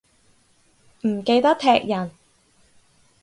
唔記得踢人